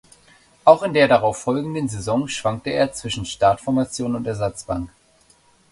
Auch in der darauf folgenden Saison schwankte er zwischen Startformation und Ersatzbank.